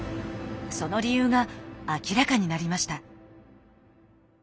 その理由が明らかになりました。